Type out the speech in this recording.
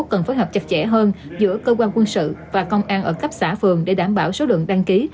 cần phối hợp chặt chẽ hơn giữa cơ quan quân sự và công an ở cấp xã phường để đảm bảo số lượng đăng ký